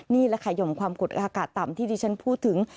นี่แหละค่ะหย่อมความกดอากาศต่ำที่ดิฉันพูดถึง